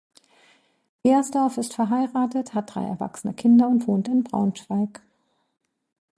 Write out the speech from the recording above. Gersdorff ist verheiratet, hat drei erwachsene Kinder und wohnt in Braunschweig.